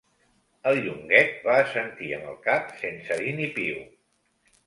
El Llonguet va assentir amb el cap, sense dir ni piu.